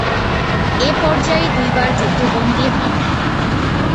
এ পর্যায়ে দুইবার যুদ্ধ বন্দী হন।